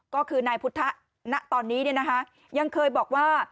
ก็คือนายพุทธณตอนนี้ยังเคยบอกว่า